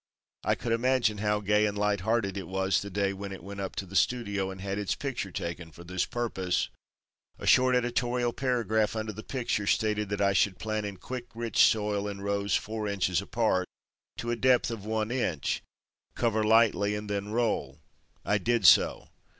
I could imagine how gay and light hearted it was the day when it went up to the studio and had its picture taken for this purpose. A short editorial paragraph under the picture stated that I should plant in quick, rich soil, in rows four inches apart, to a depth of one inch, cover lightly and then roll. I did so.